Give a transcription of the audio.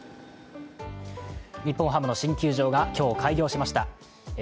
日本ハムの新球場が今日、開業しました。